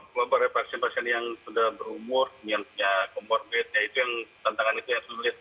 terutama beberapa pasien pasien yang sudah berumur yang punya komorbid ya itu yang tantangan itu yang sulit